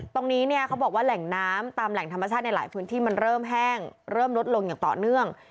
ตรงนี้เนี่ยเขาบอกว่าแหล่งน้ำตามแหล่งธรรมชาติในหลายพื้นที่มันเริ่มแห้งเริ่มลดลงอย่างต่อเนื่อง